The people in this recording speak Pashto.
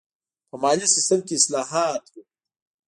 په مالي سیستم کې اصلاحات و.